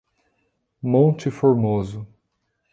Monte Formoso